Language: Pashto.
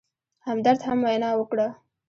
همدرد هم وینا وکړه.